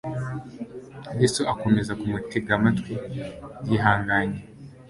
Yesu akomeza kumutega amatwi yihanganye.